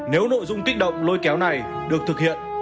nếu nội dung kích động lôi kéo này được thực hiện